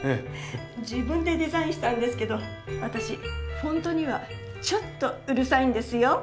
自分でデザインしたんですけど私フォントにはちょっとうるさいんですよ。